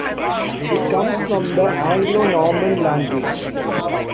It comes from the Anglo-Norman language.